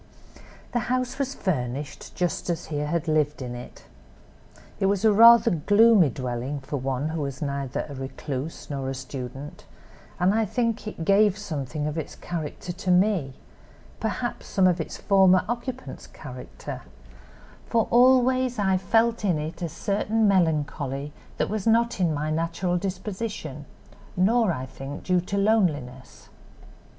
"The house was furnished, just as he had lived in it. It was a rather gloomy dwelling for one who was neither a recluse nor a student, and I think it gave something of its character to me—perhaps some of its former occupant's character; for always I felt in it a certain melancholy that was not in my natural disposition, nor, I think, due to loneliness.